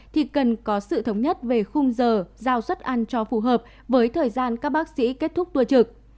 thì cần có sự thống nhất về khung giờ giao suất ăn cho phù hợp với thời gian các bác sĩ kết thúc tour trực